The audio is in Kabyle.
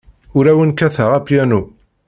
Ur awen-kkateɣ apyanu.